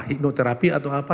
hiknoterapi atau apa